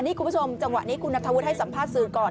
นี่คุณผู้ชมจังหวะนี้คุณนัทธวุฒิให้สัมภาษณ์สื่อก่อน